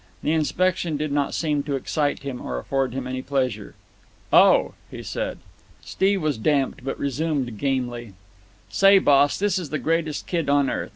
The inspection did not seem to excite him or afford him any pleasure. "Oh!" he said. Steve was damped, but resumed gamely: "Say, boss, this is the greatest kid on earth.